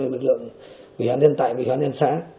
lực lượng quỹ hoan nhân tại quỹ hoan nhân xã